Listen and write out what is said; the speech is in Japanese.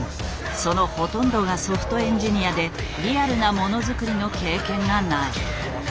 そのほとんどがソフトエンジニアでリアルなものづくりの経験がない。